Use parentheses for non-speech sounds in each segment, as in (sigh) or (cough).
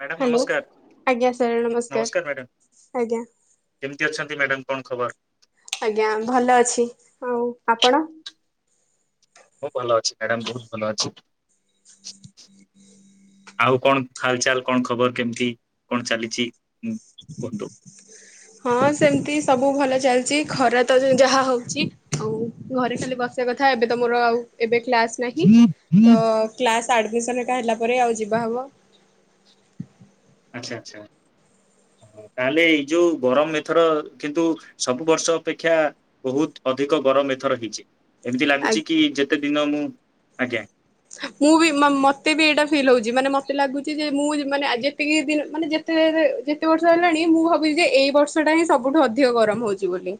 Madam hello ନମସ୍କାର ଆଜ୍ଞା sir ନମସ୍କାର୍ ନମସ୍କାର ମ୍ୟାଡ଼ାମ ଆଜ୍ଞା। କେମିତି ଅଛନ୍ତି ମ୍ୟାଡ଼ାମ କଣ୍ ଖବର୍? ଆଜ୍ଞା ଭଲ ଅଛି, ଆଉ ଆପଣ? ମୁଁ ଭଲ ଅଛି, ମ୍ୟାଡାମ୍ ବୋହୁତ୍ ଭଲ ଅଛି। ଆଉ କଣ୍ ଖାଲ୍ ଚାଲ୍ କଣ୍ ଖବର୍ କେମିତି କଣ୍ ଚାଲିଛି? ଉଁ, କୁହନ୍ତୁ? (unintelligible) ହଁ ସେମିତି ସବୁ ଭଲ ଚାଲିଛି ଖରା ତ ଯାହା ହୋଉଛି ଆଉ। ଘରେ ଖାଲି ବସିବା କଥା ଏବେ ମୋର ଆଉ ଏବେ କ୍ଲାସ୍। ନାହିଁକି ତ କ୍ଲାସ୍ ଆଡ଼ମିସନ୍ ଏକା ହେଲା ପରେ ଆଉ ଯିବା ହବ। ଆଚ୍ଛା ଆଚ୍ଛା। ତାହେଲେ ଏଇ ଯୋଉ ଗରମ୍ ଏଥର କିନ୍ତୁ ସବୁ ବର୍ଷ ଅପେକ୍ଷା ବୋହୁତ୍ ଅଧିକ ଗରମ୍ ଏଥର ହେଇଛି, ଏମିତି ଆ ଲାଗୁଛି କି ଯେତେ ଦିନ ମୁଁ ଆଜ୍ଞା। ମୁଁ ବି ମ- ମତେ ବି ଏଇଟା ଫିଲ୍ ହୋଉଛି ମାନେ ମତେ ଲାଗୁଛି ଯେ ମୁଁ ମାନେ ଯେତିକି ଦିନ ମାନେ (unintelligible) (unintelligible) ଯେତେ ବର୍ଷ ହେଲାଣି ମୁଁ ଭାବୁଛି ଯେ ଏଇ ବର୍ଷଟା ହିଁ ସବୁଠୁ ଅଧିକ ଗରୂମ ହୋଉଛି ବୋଲି।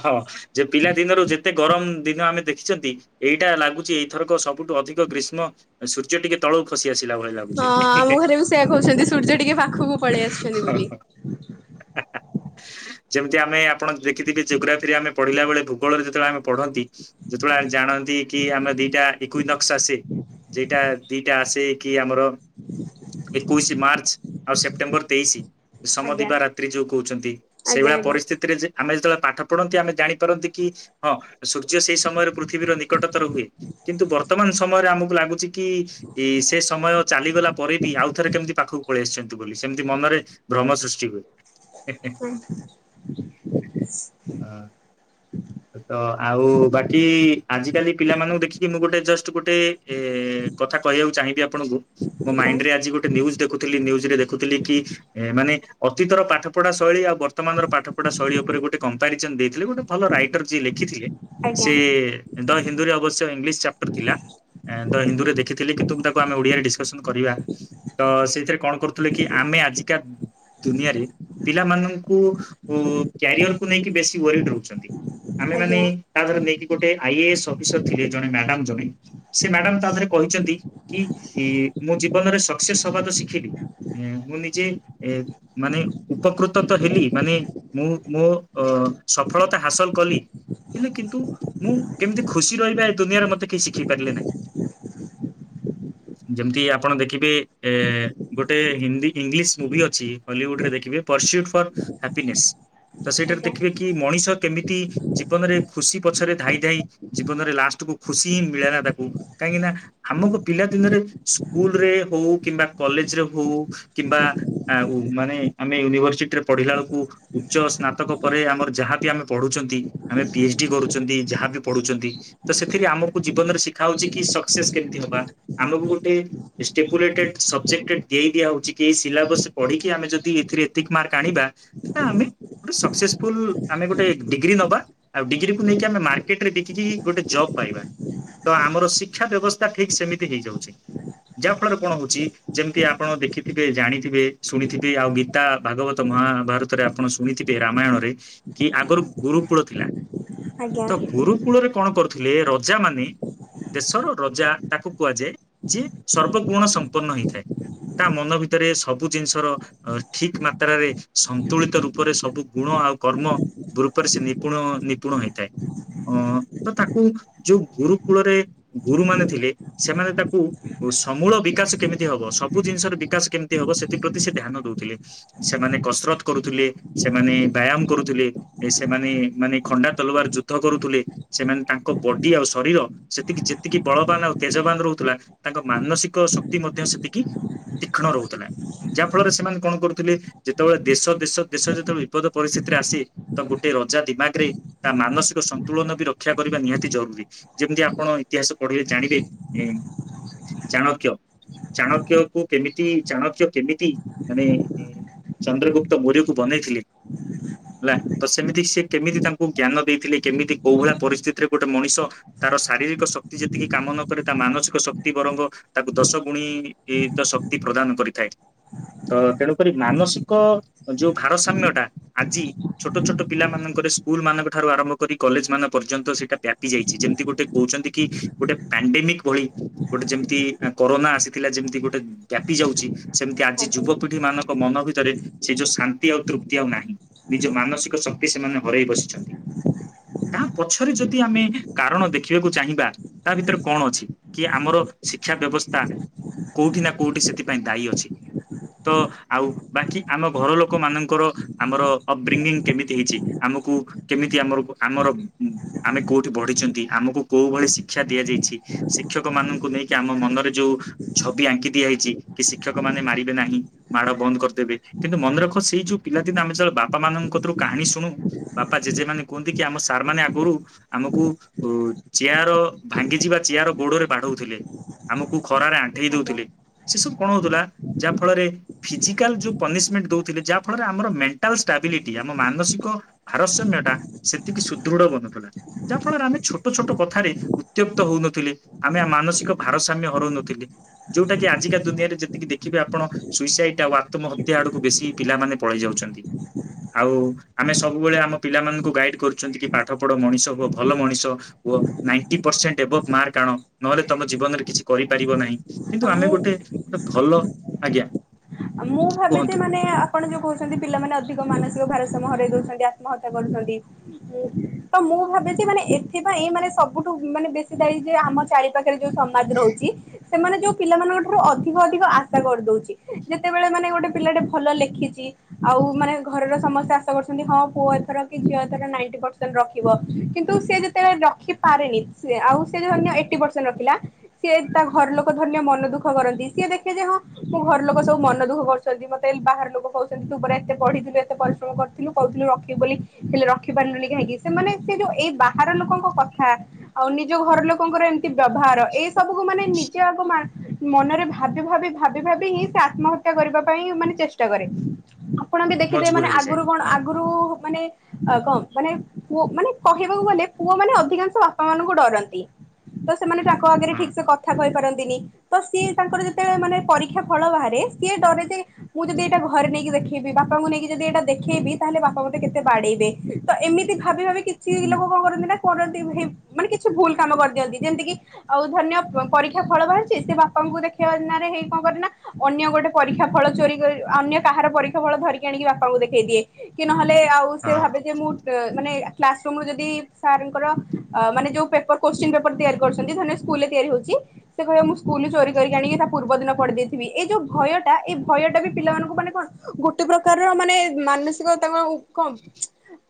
ହଁ ଯେ ପିଲା ଦିନରୁ ଯେତେ ଗରମ୍ ଦିନ ଆମେ ଦେଖିଛନ୍ତି। ଏଇଟା ଲାଗୁଛି ଏଇଥରକ ସବୁଠୁ ଅଧିକ ଗ୍ରୀଷ୍ମ ସୂର୍ଯ୍ୟ ଟିକେ ତଳୁ ଖସି ଆସିଲା ଭଳି ହଁ ଲାଗୁଛି ଆମ ଘରେ ବି ସେୟା କହୁଛନ୍ତି ସୂର୍ଯ୍ୟ ଟିକେ ପାଖକୁ ପଳେଇ ଆସିଛନ୍ତି ବୋଲି। (unintelligible) (unintelligible) ଯେମିତି ଆମେ ଆପଣ ଦେଖିଥିବେ ଯୋଗ୍ରାଫି ରେ ଆମେ ପଢିଲା ବେଳେ ଭୂଗଳରେ ଯେତେବେଳେ ଆମେ ପଢ଼ନ୍ତି। ଯେତେବେଳେ ଆ ଜାଣନ୍ତି କି ଆମ ଦିଟା ଇକୁ ନକ୍ସା ଆସେ। ଯିଟା ଟା ଦିଟା ଆସେ କି ଆମର। ଏକୋଇଶି ମାର୍ଚ୍ଚ ଆଉ ସେପ୍ଟେମ୍ବର ତେଇଶି। ଆଜ୍ଞା ସମଦିବା ରାତ୍ରି ଯୋଉ କହୁଛନ୍ତି ଆଜ୍ଞା ସେଇଭଳିଆ ପରିସ୍ଥିତିରେ ଯେ ଆମେ ଯେତେବେଳ ପାଠ ପଢନ୍ତି ଆମେ ଜାଣିପାରନ୍ତି କି ହଁ ସୂର୍ଯ୍ୟ ସେଇ ସମୟରେ ପୃଥିବୀର ନିକଟତର ହୁଏ କିନ୍ତୁ ବର୍ତ୍ତମାନ ସମୟରେ ଆମକୁ ଲାଗୁଛି କି କି ଇ ସେ ସମୟ ଚାଲିଗଲା ପରେ ବି ଆଉଥରେ କେମିତି ପାଖକୁ ପଳେଇ ଆସିଛି। ବୋଲି ସେମିତି ମନରେ ଭ୍ରମ ସୃଷ୍ଟି ହୁଏ ହେଁ -ହେଁ। (unintelligible) ହଁ। ତ ଆଉ ବାକି ଆଜିକାଲି ପିଲାମାନଙ୍କୁ ଦେଖିକି ମୁଁ ଗୋଟେ ଜଷ୍ଟ ଗୋଟେ ଏଁ ଏ କଥା କହିବାକୁ ଚାହିଁବି ଆପଣଙ୍କୁ ମୋ ଆଜ୍ଞା ମାଇଣ୍ଡ ରେ ଆଜି ଗୋଟେ ନ୍ୟୂ୍ଜ ଦେଖୁଥିଲି ନ୍ୟୂଜ୍ ରେ ଦେଖୁଥିଲି କି ଏ ମାନେ ଅତୀତର ପାଠ ପଢା ଶୈଳୀ ଆଉ ବର୍ତ୍ତମାନର ପାଠ ପଢା ଶୈଳୀ ଉପରେ ଗୋଟେ କମ୍ପାରିଜନ୍ ଦେଇଥିଲେ ବଟ୍ ଗୋଟେ ଭଲ ରାଇଟର ଯିଏ ଲେଖିଥିଲେ ଆଜ୍ଞା ସେ ଦ ହିନ୍ଦୀରେ ଅବଶ୍ୟ ଇଂଲିଶ ଚାପଟର ଥିଲା ଆଁ ଦ ହିନ୍ଦୁରେ ଦେଖିଥିଲି କିନ୍ତୁ ତାକୁ ଆମେ ଓଡିଆରେ ଡିସକସନ କରିବା। ତ ସେଇଥିରେ କଣ କରୁଥିଲେ କି ଆମେ ଆଜିକା ଦୁନିଆରେ ପିଲାମାନଙ୍କୁ ଉଁ କ୍ୟାରିଅର କୁ ନେଇକି ବେଶୀ ଓରିଡ ରହୁଚନ୍ତି ଆମେ ମାନେ ଆଜ୍ଞା ଆଜ୍ଞା ତାଧରେ ନେଇକି ଗୋଟେ ଆଇଏଏସ୍ ଅଫିସର ଥିଲେ ଜଣେ ମ୍ୟାଡାମ ଜଣେ ସେ ମ୍ୟାଡାମ ତା ଦେରେ କହିଛନ୍ତି କି ଇ ମୁଁ ଜୀବନରେ ସକ୍ସେସ୍ ହବା ତ ଶିଖିଲି ଏଁ ମୁଁ ନିଜେ ଏ ମାନେ ଉପକୃତ ତ ହେଲି ମାନେ ମୁଁ ମୋ ଅ ସଫଳତା ହାସଲ କଲି ହେଲେ କିନ୍ତୁ ମୁଁ କେମିତି ଖୁସି ରହିବା ଏ ଦୁନିଆରେ ମୋତେ କେହି ଶିଖେଇ ପାରିଲେ ନାହିଁ। ଯେମିତି ଆପଣ ଦେଖିବେ ଏ ଗୋଟେ ହିନ୍ଦୀ ଇଂଲିଶ ମୁଭି ଅଛି। ହଲିଉଡ ରେ ଦେଖିବେ ପର୍ଶିଉଡ ଫର୍ ହେପିନେସ ତ ସେଟାରୁ ଆଜ୍ଞା କି ମଣିଷ କେମିତି ଜୀବନରେ ଖୁସି ପଛରେ ଧାଇଁ ଧାଇଁ ଜୀବନରେ ଲାଷ୍ଟ କୁ ଖୁସି ହିଁ ମିଳେ ନା ତାକୁ। କାହିଁକି ନା ହାମକୁ ପିଲା ଦିନରେ ସ୍କୁଲ ରେ ହଉ କିମ୍ବା କଲେଜରେ ହଉ କିମ୍ବା ଆ ମାନେ ଆମେ ୟୁନିଭରସିଟି ରେ ପଢିଲା ବେଳକୁ ଉଚ୍ଚ ସ୍ନାତକ ପରେ ଆମର ଯାହାବି ଆମେ ପଢ଼ୁଚନ୍ତି ଆମେ ପିଏଚ୍ଡି କରୁଚନ୍ତି ଯାହା ବିି ପଢ଼ୁଚନ୍ତି ତ ସେଥିରେ ଆମକୁ ଜୀବନରେ ଶିଖା ହଉଚି କି ସକ୍ସେସ୍ କେମିତି ହବା ଆମକୁ ଗୋଟେ ଷ୍ଟେପୁଲେଟେଡ୍ ସବଜେକ୍ଟଟେଡ୍ ଦେଇ ଦିଆ ହଉଛି କି ସିଲାବସ ପଢିକି ଆମେ ଯଦି ଏଥିରେ ଏତିକି ମାର୍କ ଆଣିବା ତ ଆମେ ଗୋଟେ ସକ୍କସେସ ଫୁଲ୍ ଆମେ ଗୋଟେ ଡିଗ୍ରୀ ନବା ଆଉ ଡିଗ୍ରୀକୁ ନେଇକି ଆମେ ମାର୍କେଟରେ ବିକିକି ଗୋଟେ ଜବ ପାଇବା। ତ ଆମର ଶିକ୍ଷା ବ୍ୟବସ୍ଥା ଠିକ୍ ସେମିତି ହେଇଯାଉଛି ଯାହା ଫଳରେ କଣ ହଉଚି ଯେମିତି ଆପଣ ଦେଖିଥିବେ ଜାଣିଥିବେ ଶୁଣିଥିବେ ଆଉ ଗୀତା ଭାଗବତ ମହାଭାରତରେ ଆପଣ ଶୁ ଶୁଣିଥିବେ ରାମାୟଣରେ କି ଆଗରୁ ଗୁରୁକୂଳ ଥିଲା ଆଜ୍ଞା ତ ଗୁରୁ କୂଳରେ କଣ କରୁଥିଲେ ରଜା ମାନେ ଦେଶର ରଜା ତାକୁ କୁହାଯାଏ ଯିଏ ସର୍ବଗୁଣ ସମ୍ପନ୍ନ ହେଇଥାଏ। ତା ମନ ଭିତରେ ସବୁ ଜିନିଷର ଅ ଠିକ ମାତ୍ରାରେ ସନ୍ତୁଳିତ ରୂପରେ ସବୁ ଗୁଣ ଆଉ କର୍ମ ଦୂର୍ପରେ ସେ ନିପୁଣ ନିପୁଣ ହେଇଥାଏ। ଅ ତ ତାକୁ ଯୋଉ ଗୁରୁକୂଳରେ ଗୁରୁମାନେ ଥିଲେ ସେମାନେ ତାକୁ ଓ ସମୂଳ ବିକାଶ କେମିତି ହବ ସବୁ ଜିନିଷରେ ବିକାଶ କେମିତି ହବ ସେଥିପ୍ରତି ସେ ଧ୍ୟାନ ଦଉଥିଲେ। ସେମାନେ କସରତ କରୁଥିଲେ ସେମାନେ ବ୍ୟାୟାମ କରୁଥିଲେ ଏ ସେମାନେ ମାନେ ଖଣ୍ଡା ତଲୁୱାର ଯୁଦ୍ଧ କରୁଥିଲେ। ସେମାନେ ତାଙ୍କ ବଡି ଆଉ ଶରୀର ସେତିକି ଯେତିକି ବଳବାନ ଆଉ ତେଜବାନ ରହୁଥିଲା ତାଙ୍କ ମାନସିକ ଶକ୍ତି ମଧ୍ୟ ସେତିକି ତୀକ୍ଷ୍ଣ ରହୁଥିଲା। ଯାହା ଫଳରେ ସେମାନେ କଣ କରୁଥିଲେ ଯେତେବେଳେ ଦେଶ ଦେଶ ଦେଶ ଯେତେବେଳେ ବିପଦ ପରିସ୍ଥିତି ସେତିରେ ଆସେ ତ ଗୋଟେ ରଜା ଦିମାଗ ରେ ତା ମାନସିକ ସନ୍ତୁଳନ ବି ରକ୍ଷା କରିବା ନିହାତି ଜରୁରୀ। ଯେମିତି ଆପଣ ଇତିହାସ ପଢିଲେ ଜାଣିବେ ଚାଣକ୍ୟ ଚାଣକ୍ୟ କୁ କେମିତି ଚାଣକ୍ୟ କେମିତି ମାନେ ଚନ୍ଦ୍ରଗୁପ୍ତ ମୋରିୟକୁ ବନେଇଥିଲି। ହେଲା ତ ସେମିତି ସି କେମିତି ତାଙ୍କୁ ଜ୍ଞାନ ଦେଇଥିଲେ କେମିତି କୋଉ ଭଳିଆ ପରିସ୍ଥିତିରେ ଗୋଟେ ମଣିଷ ତାର ଶାରୀରିକ ଶକ୍ତି ଯେତିକି କାମ ନ କରେ ତା ମାନସିକ ଶକ୍ତି ବରଙ୍ଗ ତାକୁ ଦଶ ଗୁଣି ତ ଶକ୍ତି ପ୍ରଦାନ କରିଥାଏ। ତ ତେଣୁକରି ମାନସିକ ଯୋଉ ଭାରସାମ୍ୟ ଟା ଆଜି ଛୋଟ ଛୋଟ ପିଲାମାନଙ୍କରେ ସ୍କୁଲ ମାନଙ୍କ ଠାରୁ ଆରମ୍ଭ କରି କଲେଜ ମାନ ପର୍ଯ୍ୟନ୍ତ ସେଇଟା ବ୍ୟାପି ଯାଇଚି ଯେମିତି ଗୋଟେ କହୁଛନ୍ତି କି ଗୋଟେ ପଣ୍ଡେନିକି ଭଳି ଗୋଟେ ଯେମିତି କରୋନା ଆସିଥିଲା ଯେମତି ଗୋଟେ ବ୍ୟାପି ଯାଉଚି ସେମିତି ଆଜି ଆଜ୍ଞା ଯୁବପିଢ଼ି ମାନଙ୍କ ମନ ଭିତରେ ସେ ଯୋଉ ଶାନ୍ତି ଆଉ ତୃପ୍ତି ଆଉ ନାହିଁ। ନିଜ ମାନସିକ ଶକ୍ତି ସେମାନେ ହରେଇ ବସିଛନ୍ତି କାହା ପଛରେ ଯଦି ଆମେ କାରଣ ଦେଖିବାକୁ ଚାହିଁବା ତା ଭିତରେ କଣ ଅଛି କି ଆମର ଶିକ୍ଷା ବ୍ୟବସ୍ଥା କୋଉଠି ନା କୋଉଠି ସେଥିପାଇଁ ଦାୟୀ ଅଛି। ତ ଆଉ ବାକି ଆମ ଘର ଲୋକ ମାନଙ୍କର ଆମର ଅପବ୍ରିଙ୍ଗନି କେମିତି ହେଇଚି ଆମକୁ କେମିତି ଆମରକୁ ଆମର ଆମେ କୋଉଠି ବଢିଛନ୍ତି ଆମକୁ କୋଉ ଭଳି ଶିକ୍ଷା ଦିଆଯାଇଛି। ଶିକ୍ଷକ ମାନଙ୍କୁ ନେଇକି ଆମ ମନରେ ଯୋଉ ଛବି ଆଙ୍କି ଦିଆହଇଚି କି ଶିକ୍ଷକ ମାନେ ମାରିବେ ନାହିଁ ମାଡ଼ ବନ୍ଦ କରିଦେବେ କିନ୍ତୁ ମନେରଖ ସେଇ ଯୋଉ ପିଲାଦିନ ଆମେ ଯେବେ ବାପା ମାନଙ୍କ କତିରୁ କାହାଣୀ ଶୁଣୁ ବାପା ଜେଜେ ମାନେ କୁହନ୍ତି କି ଆମ ସାରେ ମାନେ ଆଗରୁ ଆମକୁ ଚେୟାର ଭାଙ୍ଗି ଯିବା ଚେୟାର ଗୋଡ଼ରେ ବାଡ଼ଉଥିଲେ। ଆମକୁ ଖରାରେ ଆଣ୍ଠେଇ ଦଉଥିଲି ସେ ସବୁ କଣ ହଉଥିଲା ଯାହା ଫଳରେ ଫିଜିକାଲ ଯୋଉ ପନିସିମେଣ୍ଟ ଦଉଥିଲେ ଯାହା ଫଳରେ ଆମର ମେଣ୍ଟାଲସ୍ ଷ୍ଟାବିଲିଟି ଆମ ମାନସିକ ଭାରସାମ୍ୟ ଟା ସେତିକି ସୁଦୃଢ଼ ବନୁଥିଲା। ଯାହା ଫଳରେ ଆମେ ଛୋଟ ଛୋଟ କଥାରେ ଉତ୍ତ୍ୟକ୍ତ ହଉନଥିଲେ ଆମେ ମାନସିକ ଭାରସାମ୍ୟ ହରଉନଥିଲେ ଯୋଉଟା କିି ଆଜିକା ଦୁନିଆରେ ଯେତିକି ଦେଖିବେ ଆପଣ ସୁଇସାଇଟି ଆଉ ଆତ୍ମହତ୍ୟା ଆଡ଼କୁ ବେଶୀ ପିଲାମାନେ ପଳେଇ ଯାଉଚନ୍ତି ଆଉ ଆମେ ସବୁବେଳେ ଆମ ପିଲାମାନଙ୍କୁ ଗାଇଡ଼ କରୁଚନ୍ତି କି ପାଠ ପଢ଼ ମଣିଷ ହୁଅ ଭଲ ମଣିଷ କୁଅ ନାଇଟି ପସେଣ୍ଟ ଆଣ ନହେଲେ ତମ ଜୀବନରେ କିଛି କରିପାରିବ ନାଇଁ କିନ୍ତୁ ଆଜ୍ଞା ଆମେ ମୁଁ ଗୋଟେ ଭଲ ଆଜ୍ଞା ମୁଁ ଭାବିଚି କୁହନ୍ତୁ ମାନେ ଆ ଆପଣ ଯୋଉ କହୁଚନ୍ତି ପିଲାମାନେ ଅଧିକ ମାନସିକ ଭାରସ୍ୟମ ହରାଇ ଦଉଚନ୍ତି ଆତ୍ମହତ୍ୟା କରୁଚନ୍ତି ହୁଁ ତ ମୁଁ ଭାବିଚି ମାନେ ଏଥିପାଇଁ ମାନେ ସବୁଠୁ ମାନେ ବେଶୀ ଦାଇ ଯେ ଆମ ଚାରି ପାଖରେ ଯୋଉ ସମାଜ ରହୁଚି ସେମାନେ ଯୋଉ ପିଲାମାନାନଙ୍କ ଠାରୁ ଅଧିକ ଅଧିକ ଆଶା କରିଦଉଚି ଯେତେବେଳେ ମାନେ ଗୋଟେ ପିଲାଟେ ଭଲ ଲେଖିଚି ଆଉ ମାନେ ଘରର ସମସ୍ତେ ଆଶା କରୁଚନ୍ତି ହଁ ପୁଅ ଏଥର କି ଝିଅ ଏଥର ନାଇଟି ପସେଣ୍ଟ ରଖିବ କିନ୍ତୁ ସେଯେ ତେ ରଖି ପାରେନି ସେ ଆଉ ସେଯେ ଧରିନିୟ ଏଇଟି ପସେଣ୍ଟ ରଖିଲା ସିଏ ତା ଘର ଲୋକ ଧରିନିୟ ମନ ଦୁଃଖ କରନ୍ତି ସିଏ ଦେଖେ ଯେ ହଁ ମୋ ଘର ଲୋକ ସବୁ ମନ ଦୁଃଖ କରୁଚନ୍ତି ମତେ ବାହାର ଲୋକ କହୁଚନ୍ତି ତୁ ପରା ଏତେ ପଢ଼ିଥିଲୁ ଏତେ ପରିଶ୍ରମ କରିଥିଲୁ କହୁଥିଲୁ ରଖିବୁ ବୋଲି ହେଲେ ରଖି ପାରୁଲୁନି କାହିଁକି ସେମାନେ ସେ ଯୋଉ ଏଇ ବାହାର ଲୋକଙ୍କ କଥା ଆଉ ନିଜ ଘର ଲୋକଙ୍କର ଏମି ତି ବ୍ୟବହାର ଏଇ ସବୁକୁୁ ମାନେ ନିଜେ ବାପ ମା ମନରେ ଭାବି ଭାବି ଭାବି ଭାବି ହିଁ ଆସି ଆତ୍ମହତ୍ୟା କରିବା ପାଇଁ ମାନେ ଚେଷ୍ଟା କରେ ଆପଣ ବି ଦେଖିଦେବେ ମଜବୁର ମାନେ ହେଇଯାଏ ଆଗରୁ କଣ ହଁ ଆଗରୁ ମାନେ ଆଉ କଁ ମାନେ ପୁଅ ମାନେ କହିବାକୁ ଗଲେ ପୁଅ ମାନେ ଅଧିକାଂଶ ବାପା ମାନଙ୍କୁ ଡ଼ରନ୍ତି। ତ ସେମାନେ ତାଙ୍କ ଆଗରେ ହଁ। ଠିକ୍ ସେ କ କଥା କହିପାରନ୍ତିନି ତ ସିଏ ତାଙ୍କର ଯେତେବେଳେ ମାନେ ପରୀକ୍ଷା ଫଳ ବାହାରେ ସିଏ ଡ଼ରେ ଯେ। ମୁଁ ଯଦି ଏଇଟା ଘରେ ନେଇକି ଦେଖେଇବି ବାପାଙ୍କୁ ନେଇକି ଯଦି ଏଇଟା ଦେଖେଇବି ତାହେଲେ ବାପା ମତେ କେତେ ବାଡ଼େଇବେ। ତ ଏମିତି ଭାବି ଭାବି କିଛି ହୁଁ। ଲୋକ କଣ କରନ୍ତି ନା କରନ୍ତି ମାନେ କିଛି ଭୁଲ କାମ କରିଦିଅନ୍ତି ଯେମିତି କିି। ଆଉ ଧରିନିୟ ପରୀକ୍ଷା ଫଳ ବାହାରିଚି ସେ ବାପାଙ୍କୁ ଦେଖେଇବା ନାରେ ହେଇ କଣ କରିଚି ନା ଅନ୍ୟ ଗୋଟେ। ପରୀକ୍ଷା ଫଳ ଚୋରି କରି ଅନ୍ୟ କାହାର ପରୀକ୍ଷା ଫଳ ଧରିକି ଆଣିକି ବାପାଙ୍କୁ ଦେଖେଇ ଦିଏ କି ନହେଲେ ଆଉ। ସେ ହଁ ଭାବେ ଯେ ମୁଁ। ଏ ମାନେ କ୍ଲାସ ରୁମ୍ ରୁ ଯଦି ସାରଙ୍କର ଆ ମାନେ ଯୋଉ ପେପର କୋଶ୍ଚିନ୍ ପେପର ତିଆରି କରଛନ୍ତି ଧରିନିଅ। ସ୍କୁଲରେ ତିଆରି ହଉଛି ସେ କହିବ ମୁଁ ସ୍କୁଲରେ ଚୋରି କରିକି ଆଣିକି ତା ପୁର୍ବ ଦିନ ପଢ଼ୀ ଦେଇଥିବି ଏ ଯୋଉ। ଭୟ ଟା ଏଇ ଭୟ ଟା ବି ପିଲାମାନଙ୍କୁ ମାନେ କଣ ଗୋଟେ ପ୍ରକାରର ମାନେ ମାନସିକ ତାଙ୍କ। କଣ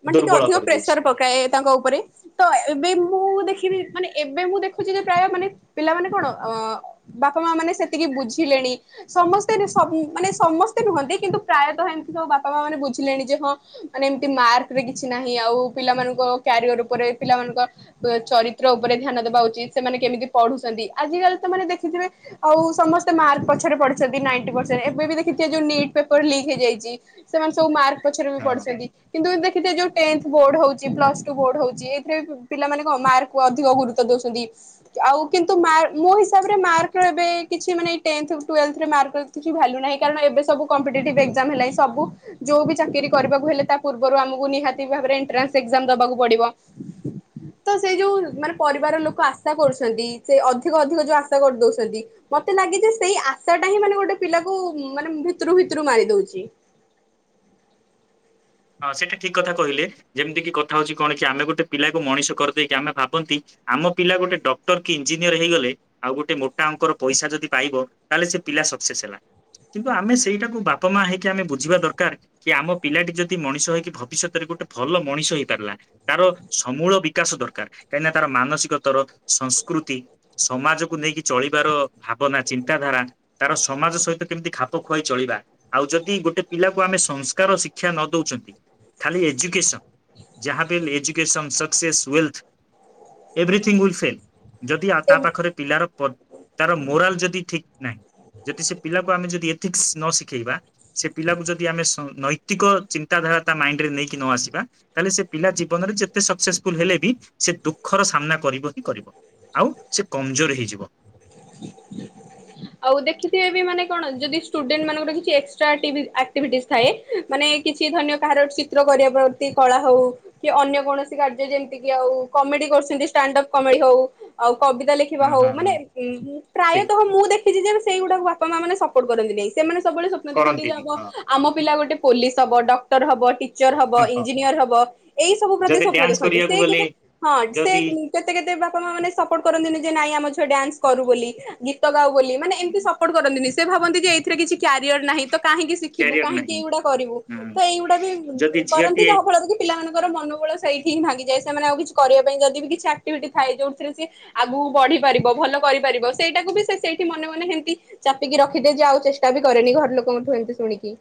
ମାନେ ଟିକେ ଦୁର୍ବଳ ଅଧିକ କରିଦଉଛି ପ୍ରେସର ପକାଏ ତାଙ୍କ ଉପରେ। ତ ଏବେ ମୁଁ ଦେଖିବି ମାନେ ଏବେ ମୁଁ ଦେଖୁଛି ଯେ ପ୍ରାୟ ମାନେ ପିଲାମାନେ କଣ ଅ। ବାପ ମା ମାନେ ସେତିକି ବୁଝିଲେଣି। ସମସ୍ତେ ଏବେ ସବ ମାନେ ସମସ୍ତେ ନୁହନ୍ତି କିନ୍ତୁ ପ୍ରାୟତଃ ଏମିତି ସବୁ ବାପା ମା ମାନେ ବୁଝିଲେଣି ଯେ ହଁ। ମାନେ ଏମତି ମାର୍କ ରେ କିଛି ନାହିଁ ଆଉ ପିଲାମାନଙ୍କ କ୍ୟାରିଅର ଉପରେ ପିଲାମାନଙ୍କ। ଏ ଚରିତ୍ର ଉପରେ ଧ୍ୟାନ ଦବା ଉଚିତ୍ ସେମାନେ କେମିତି ପଢୁଛନ୍ତି ଆଜିକାଲି ତ ମାନେ ଦେଖିଥିବେ। ଆଉ ସମସ୍ତେ ମାର୍କ ପଛରେ ପଡି। ଛନ୍ତି ନାଇନ୍ ଟି ପରସେଣ୍ଟ ଏବେ ବି ଦେଖିଥିବେ ଯୋଉ ନିଟ୍ ପେପର ଲିକ୍ ହେଇଯାଇଛି ସେମାନେ ସବୁ ମାର୍କ ପଛରେ ବି ହଁ। ପଢିଛନ୍ତି। କିନ୍ତୁ ଦେଖିଥିବେ ଯୋଉ ଟେନଥ ବୋଡ ହଉଛି ପ୍ଲସ ଟୁ ବୋଡ ହଉଛି ଏଥିରେ ପିଲାମାନେ କଣ ମାର୍କ। କୁ ଅଧିକ ଗୁରୁତ୍ୱ ଦଉଛନ୍ତି। ଆଉ କିନ୍ତୁ ମାର୍ ମୋ ହିସାବରେ ମାର୍କ ଏବେ କିଛି ମାନେ ଟେନଥ ଟୁଏଲଭଥ। ଏବେ ମାର୍କର କିଛି ଭାଲ୍ୟୁ ନାହିଁ କାରଣ ଏବେ ସବୁ କମ୍ପିଟେଟିଭ୍ ଏକ୍ଜାମ୍ ହେଲାଣି ସବୁ। ଯୋଉ ବି ଚାକିରି କରିବାକୁ ହେଲେ ତା ପୂର୍ବରୁ ଆମକୁ ନିହାତି ଭାବରେ ଏଣ୍ଟ୍ରାନ୍ସ ଏକ୍ଜାମ ଦବାକୁ ପଡିବ। (unintelligible) ତ ସେଇ ଯୋଉ ମାନେ ପରିବାର ଲୋକ ଆଶା କରୁଛନ୍ତି ସେ ଅଧିକ ଅଧିକ ଯୋଉ ଆଶା କରି ଦଉଛନ୍ତି। ମତେ ଲାଗେ ଯେ ସେଇ ଆଶାଟା ହିଁ ମାନେ ଗୋଟେ ପିଲାକୁ ମାନେ ଭିତରୁ ଭିତରୁ ମାରି ଦଉଛି। ହଁ ସେଇଟା ଠିକ୍ କଥା କହିଲେ ଯେମିତି କିି କଥା ହଉଛି କଣ କି ଆମେ ଗୋଟେ ପିଲାକୁ ମଣିଷ କରିଦେଇକି ଆମେ ଭାବନ୍ତି। ଆମ ପିଲା ଗୋଟେ ଡକ୍ଟର କି ଇଞ୍ଜିନିୟର ହେଇଗଲେ। ଆଉ ଗୋଟେ ମୋଟା ଅଙ୍କର ପଇସା ଯଦି ପାଇବ ତାହେଲେ ସେ ପିଲା ସକ୍ସେସ୍ ହେଲା। କିନ୍ତୁ ଆମେ ସେଇଟାକୁ ବାପା ମା ହେଇକି ଆମେ ବୁଝିବା ଦରକାର କି ଆମ ପିଲାଟି ଯଦି। ମଣିଷ ହେଇକି ଭବିଷ୍ୟତରେ ଗୋଟେ ଭଲ ମଣିଷ ହେଇ ପାରିଲା। ତାର ସମୂଳ ବିକାଶ ଦରକାର କାହିଁକିନା ତାର ମାନସିକତର ସଂସ୍କୃତି। ସମାଜକୁ ନେଇକି ଚଳିବାର ଭାବନା ଚିନ୍ତାଧାରା। ତାର ସମାଜ ସହିତ କେମିତି ଖାପ ଖୁଆଇ ଚଳିବା ଆଉ ଯଦି ଗୋଟେ ପିଲାକୁ ଆମେ ସଂସ୍କାର ଶିକ୍ଷା ନ ଦଉଛନ୍ତି ଖାଲି ଏଯୁକେସନ ଯାହାବି ହେଲେ ଆମେ education success wealth. Everything will fail ଯଦି ଆ ତା ପାଖରେ। ପିଲାର ପ୍ ତାର ମୋରାଲ ଯଦି ଠିକ୍ ନାହିଁ। ଯଦି ସେ ପିଲାକୁ ଆମେ ଯଦି ଏଥିକ୍ସ ନ ଶିଖେଇବା ସେ ପିଲାକୁ ଯଦି ଆମେ ସ ନୈତିକ ଚିନ ଚିନ୍ତାଧାରା ତା ମାଇଣ୍ଡ ରେ ନେଇକି ନ ଆସିବା। ତାହେଲେ ସେ ପିଲା ଜୀବନରେ ଯେତେ ସକ୍ସେସଫୁଲ ହେଲେ ବି ସେ ଦୁଃଖର ସାମ୍ନା କରିବ ହିଁ କରିବ। ଆଉ ସେ କମ୍ମଜୋର ହେଇଯିବ। ଆଉ ଦେଖିଥିବେ ବି ମାନେ କଣ ଯଦି ଷ୍ଟୁଡେଣ୍ଟ ମାନଙ୍କର କିଛି ଏକ୍ସ ଏକ୍ସଟ୍ରା ଟିଭି ଆକ୍ଟିଭିଟିସ୍ ଥାଏ ମାନେ କିଛି ଧରିନିଅ କାହାର ଗୋଟେ ଚିତ୍ର କରିବାକୁ। ତି କଳା ହଉ କି ଅନ୍ୟ କୌଣସି କାର୍ଯ୍ୟ ଯେମିତି କିି ଆଉ କମେଡି କରୁଛନ୍ତି ଷ୍ଟାଣ୍ଡଅପ୍ କମେଡି ହଉ। ଆଉ କବିତା ଲେଖିବା ହଁ ହଉ ହଁ ହଁ ମାନେ ଉଁ ଠିକ ପ୍ରାୟତଃ ମୁଁ ଦେଖ ଦେଖିଚି ଯେ ସେଇଗୁଡାକ ବାପା ମା ମାନେ ସପୋର୍ଟ କରନ୍ତି ନାଇଁ ସେମାନେ ସବୁବେଳେ ସ୍ୱପ୍ନ ଦେଖନ୍ତି ଯେ କରନ୍ତିନି ଆମ। ହଁ ଆମ ପିଲା ଗୋଟେ ପୋଲିସ ହବ ଡକ୍ଟର ହବ ଟି ଟିଚର ହବ ହଁ ହଁ ଇଞ୍ଜିନିୟର ହବ ଏଇ ସବୁ ପ୍ରତି ଯଦି ସ୍ୱପ୍ନ ଡ୍ୟାନ୍ସ ଦେଖନ୍ତି କରିବାକୁ ସେ ଗଲେ କେବେ ହଁ ସେ ଯଦି ଉଁ। କେତେ କେତେ ବାପା ମା ମାନେ ସପୋର୍ଟ କରନ୍ତିନି ଯେ ନାଇଁ ଆମ ଛୁଆ ଡାନ୍ସ କରୁ ବୋଲି ଗୀତ ଗାଉ ବୋଲି। ମାନେ ଏମିତି ସପୋର୍ଟ କରନ୍ତିନି ସେ ଭାବନ୍ତି ଯେ ଏଥିରେ କିଛି କ୍ୟାରିୟର ତ ନାହିଁ କାହିଁକିି ଶିଖିବୁ କ୍ୟାରିଅର କାହିଁକି ନାହିଁ ଏଇଗୁଡାକ କରିବୁ। ହଁ ସେଇଗୁଡା ବି ଯଦି କରନ୍ତି ଝିଅଟିଏ ଯାହା ଫଳରେ କି ପିଲାମାନଙ୍କର ମନୋବଳ ସେଇଠି ହିଁ ଭାଗିଯାଏ ସେମାନେ ଆଉ କିଛି କରିବା ପାଇଁ ଯଦି ବି କିଛି ଆକ୍ଟିଭିଟି ଥାଏ ଯେଉଁଥିରେ ସେ ଆଗକୁ ବଢି ପାରିବ ଭଲ କରିପାରିବ ସେଇଟାକୁ ବି ସେ ସେଇ ମନେ ମନେ ସେମିତି ଚାପିକି ରଖିଦିଏ ଯେ ଆଉ ଚେଷ୍ଟା ବି କରେନି ଘର ଲୋକଙ୍କଠୁ ଏମିତି ଶୁଣିକି।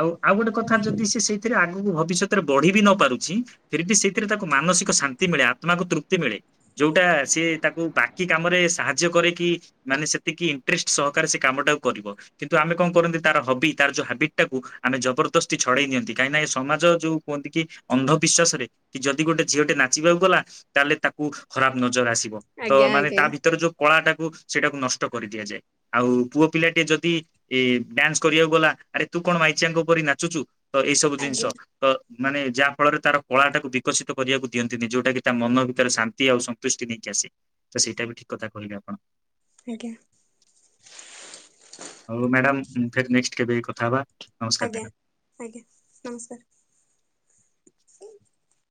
ଆଉ ଆଉ ଗୋଟେ କଥା ଯଦି ସେ ସେଇଥିରେ ଆଗକୁ ଭବିଷ୍ୟତରେ ବଢି ବି ନ ପାରୁଛି ଫିର ବି ସେଇଥିରେ ତାକୁ ମାନସିକ ଶାନ୍ତି ମିଳେ ଆତ୍ମାକୁ ତୃପ୍ତି ମିଳେ ଯୋଉଟା ସିଏ ତାକୁ ବାକି କାମରେ ସାହାଯ୍ୟ କରେ କିି? ମାନେ ସେତିକି ଇଣ୍ଟରେଷ୍ଟ ସହକାରେ ସେ କାମ ଟାକୁ କରିବ କିନ୍ତୁ ଆମେ କଣ କରନ୍ତି ତାର ହବି ତାର ଯୋଉ ହବିଟ ଟାକୁ ଆମେ ଜବରଦସ୍ତି ଛଡେଇ ଦିଅନ୍ତି କାହିଁକିନା ଏ ସମାଜ ଯୋଉ କୁହନ୍ତି କି ଅନ୍ଧବିଶ୍ୱାସ ରେ କି ଯଦି ଗୋଟେ ଝିଅଟି ନାଚିବାକୁ ଗଲା ତାହେଲେ ତାକୁ ଖରାପ ନଜର ଆସିବ ତ ଆଜ୍ଞା ମାନେ ଆଜ୍ଞା ତା ଭିତରେ ଯୋଉ କଳାଟାକୁ ସେଇଟାକୁ ନଷ୍ଟ କରି ଦିଆଯାଏ। ଆଉ ପୁଅ ପିଲା ଟେ ଯଦି ଡ୍ୟାନ୍ସ କରିବାକୁ ଗଲା ଆରେ ତୁ କଣ ମାଇଚିଆଙ୍କ ପରି ନାଚୁଚୁ ତ ଏଇ ସବୁ ଜିନିଷ ଆଜ୍ଞା ତ ମାନେ ଯାହା ଫଳରେ ତାର କଳାଟାକୁ ବିକଶିତ କରିବାକୁ ଦିଅନ୍ତିନି ଯୋଉଟା କି ତା ମନ ଭିତରେ ଶାନ୍ତି ଆଉ ଦୁଷ୍ଟି ନେଇକି ଆସେ ତ ସେଇଟା ବି ଠିକ୍ କଥା କହିଲେ ଆପଣ। ଆଜ୍ଞା। ହଉ ମ୍ୟାଡ଼ାମ୍ ଫେ-ନେକ୍ସଟ୍ କେବେ କଥା ହବା? ନମସ୍କାର ମ୍ୟାଡାମ। ଆଜ୍ଞା ଆଜ୍ଞା ନମସ୍କାର। (inaudible)